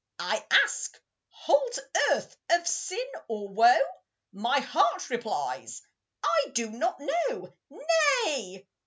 I ask, "Holds earth of sin, or woe?" My heart replies, "I do not know." Nay!